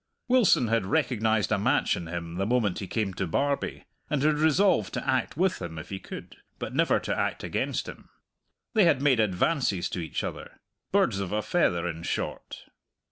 Wilson had recognized a match in him the moment he came to Barbie, and had resolved to act with him if he could, but never to act against him. They had made advances to each other birds of a feather, in short.